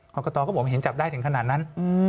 กรกตก็บอกเห็นจับได้ถึงขนาดนั้น